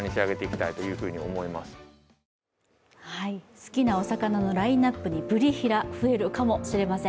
好きなお魚のラインナップにブリヒラ、増えるかもしれません。